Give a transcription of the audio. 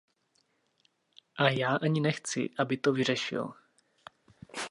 A já ani nechci, aby to vyřešil.